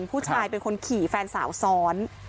ผู้ชายเป็นคนขี่แฟนสาวซ้อน